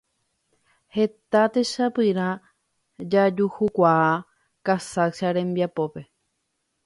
Heta techapyrã jajuhukuaa Casaccia rembiapópe.